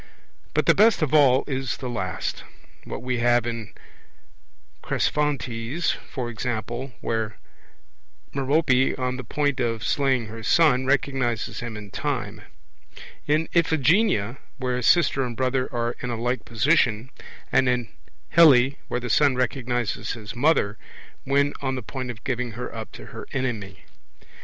But the best of all is the last; what we have in Cresphontes, for example, where Merope, on the point of slaying her son, recognizes him in time; in Iphigenia, where sister and brother are in a like position; and in Helle, where the son recognizes his mother, when on the point of giving her up to her enemy.